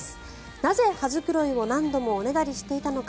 なぜ羽繕いを何度もおねだりしていたのか。